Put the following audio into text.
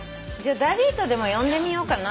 「ダディ」とでも呼んでみようかな。